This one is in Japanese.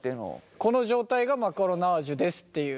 この状態がマカロナージュですっていう。